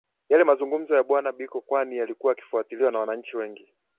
Yale azumngumzayo bwana Biko kwani yalikuwa yakifuatiliwa na wananchi wengi